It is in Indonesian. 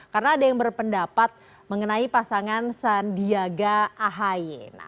karena ada yang berpendapat mengenai pasangan sandiaga ahaye